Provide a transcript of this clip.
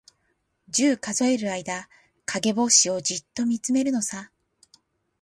十、数える間、かげぼうしをじっとみつめるのさ。